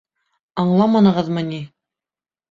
Аңламанығыҙмы ни?